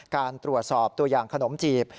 การตรวจสอบตัวอย่างขนมจีบ